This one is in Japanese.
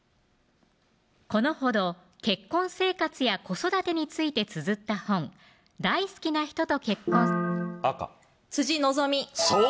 このほど結婚生活や子育てについてつづった本大好きな人と結婚赤希美そう